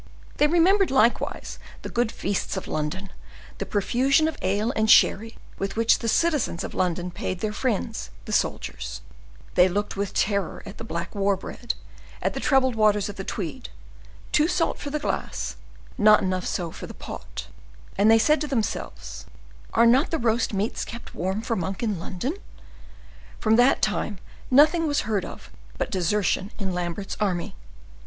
They remembered, likewise, the good feasts of London—the profusion of ale and sherry with which the citizens of London paid their friends the soldiers;—they looked with terror at the black war bread, at the troubled waters of the Tweed,—too salt for the glass, not enough so for the pot; and they said to themselves, "Are not the roast meats kept warm for Monk in London?" From that time nothing was heard of but desertion in Lambert's army.